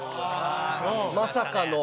まさかの。